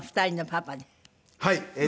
はい。